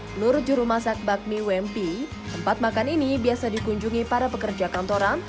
menurut jurumasak bakmi wmp tempat makan ini biasa dikunjungi para pekerja kantoran